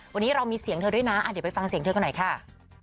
วันนี้เรามีเสียงเธอด้วยนะเดี๋ยวไปฟังเสียงเธอกันหน่อยค่ะ